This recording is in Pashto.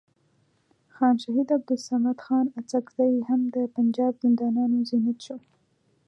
خان شهید عبدالصمد خان اڅکزی هم د پنجاب زندانونو زینت شو.